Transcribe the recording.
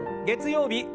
月曜日